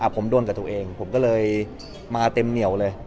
ผมโดนกับตัวเองผมก็เลยมาเต็มเหนียวเลย